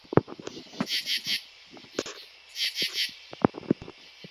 To the north the cove is connected to Tolo Harbour and the Tolo Channel.